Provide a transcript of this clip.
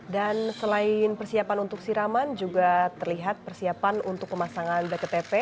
dan selain persiapan untuk siraman juga terlihat persiapan untuk pemasangan bktp